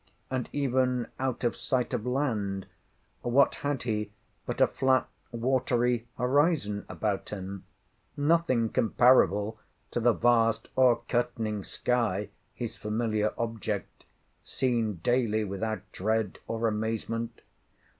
and, even out of sight of land, what had he but a flat watery horizon about him, nothing comparable to the vast o'er curtaining sky, his familiar object, seen daily without dread or amazement?